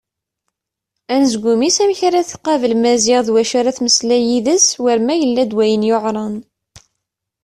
Anezgum-is amek ara tqabel Maziɣ d wacu ara temmeslay yid-s war ma yella-d wayen yuɛren.